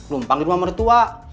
lumpang di rumah mertua